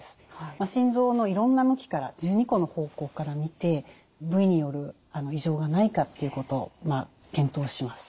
心臓のいろんな向きから１２個の方向から見て部位による異常がないかっていうことを検討します。